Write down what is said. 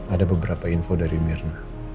ada beberapa info dari mirna